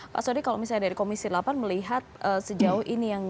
pak sodik kalau misalnya dari komisi delapan melihat sejauh ini yang